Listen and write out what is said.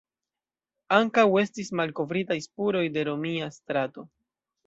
Ankaŭ estis malkovritaj spuroj de romia strato.